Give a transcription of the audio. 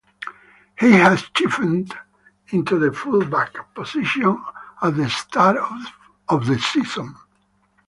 He had shifted into the fullback position at the start of the season.